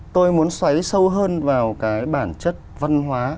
tôi muốn xoáy sâu hơn vào cái bản chất văn hóa